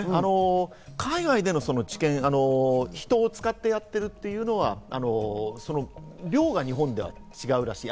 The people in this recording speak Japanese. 海外での治験、人を使ってやっているというのは、量が日本では違うらしい。